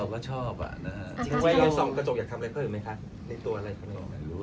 ส่องกระจกอยากทำอะไรเพิ่มไหมคะในตัวอะไรก็ไม่รู้